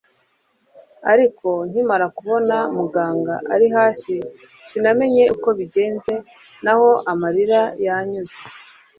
ariko nkimara kubona muganga ari hasi sinamenye uko bigenze naho amarira yanyuze